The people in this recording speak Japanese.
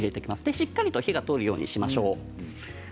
しっかり火が通るようにしていきましょう。